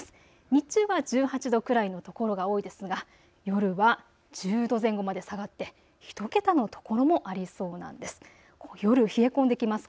日中は１８度くらいの所が多いですが夜は１０度前後まで下がって１桁の所もありそうなんです。